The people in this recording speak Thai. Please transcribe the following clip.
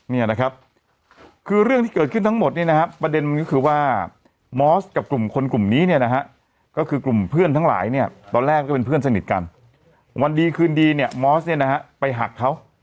เนี่ยนะครับคือเรื่องที่เกิดขึ้นทั้งหมดเนี่ยนะครับประเด็นมันก็คือว่ามอสกับกลุ่มคนกลุ่มนี้เนี่ยนะฮะก็คือกลุ่มเพื่อนทั้งหลายเนี่ยตอนแรกก็เป็นเพื่อนสนิทกันวันดีคืนดีเนี่ยมอสเนี่ยนะฮะไปหักเขา